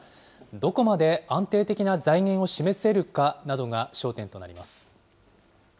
どこまで安定的な財源を示せるかなどが焦点となります。